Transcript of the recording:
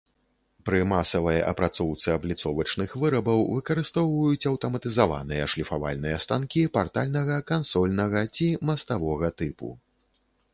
Пры масавай апрацоўцы абліцовачных вырабаў выкарыстоўваюць аўтаматызаваныя шліфавальныя станкі партальнага, кансольнага ці маставога тыпу.